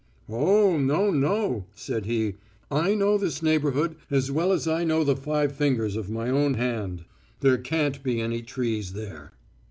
'Oh, no, no,' said he. 'I know this neighbourhood as well as I know the five fingers of my own hand; there can't be any trees there.'